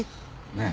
ねえ